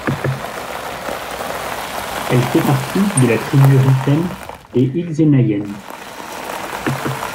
Elle fait partie de la tribu Rifaine des Igzennayen.